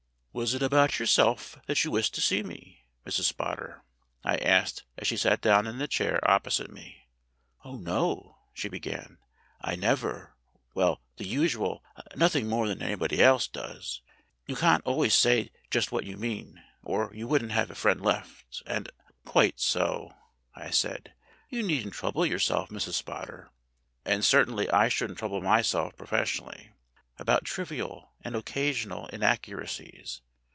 "Was it about yourself that you wished to see me, Mrs. Spotter?" I asked as she sat down in the chair opposite me. "Oh, no," she began. "I never well, the usual nothing more than anybody else does. You can't 52 STORIES WITHOUT TEARS always say just what you mean, or you wouldn't have a friend left. And " "Quite so," I said. "You needn't trouble yourself, Mrs. Spotter (and certainly I shouldn't trouble myself professionally), about trivial and occasional inaccura cies.